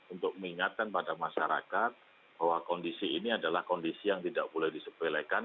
untuk mengingatkan pada masyarakat bahwa kondisi ini adalah kondisi yang tidak boleh disepelekan